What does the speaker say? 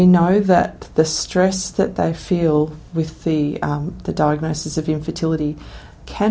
kami tahu bahwa stres yang mereka merasakan dengan diagnosi infertilitas